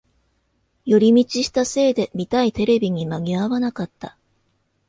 寄り道したせいで見たいテレビに間に合わなかった